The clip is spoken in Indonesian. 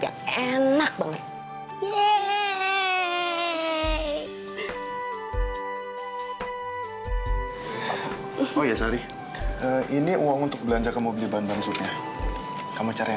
yang enak banget yeay oh ya sari ini uang untuk belanja kamu beli bahan bahan supnya kamu cari